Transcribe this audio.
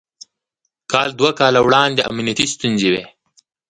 کال دوه کاله وړاندې امنيتي ستونزې وې.